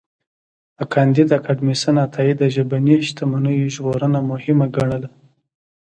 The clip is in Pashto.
کانديد اکاډميسن عطايی د ژبني شتمنیو ژغورنه مهمه ګڼله.